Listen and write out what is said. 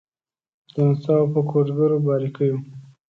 د نڅاوو په کوډګرو باریکېو